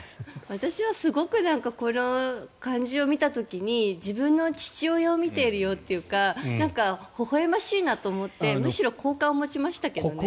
私はすごくこの感じを見た時に自分の父親を見ているようというかほほ笑ましいなと思ってむしろ好感を持ちましたけどね。